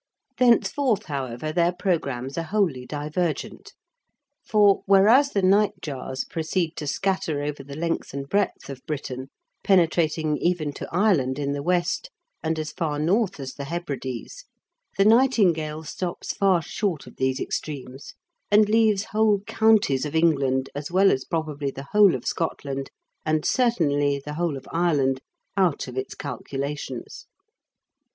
Thenceforth, however, their programmes are wholly divergent, for, whereas the nightjars proceed to scatter over the length and breadth of Britain, penetrating even to Ireland in the west and as far north as the Hebrides, the nightingale stops far short of these extremes and leaves whole counties of England, as well as probably the whole of Scotland, and certainly the whole of Ireland, out of its calculations.